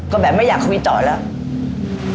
ก็แบบไม่อยากคุยต่อแล้ว